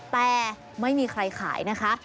แต่ไม่มีใครขายนะคะ